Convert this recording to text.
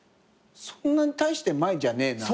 そんなに大して前じゃねえなとか。